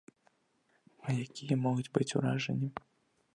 А якія могуць быць уражанні?